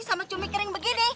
sama cumi kering begini